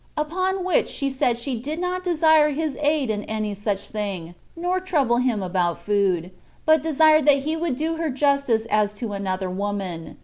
Upon which she said she did not desire his aid in any such thing, nor trouble him about food, but desired that he would do her justice as to another woman.